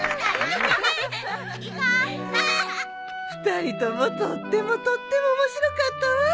２人ともとってもとっても面白かったわ。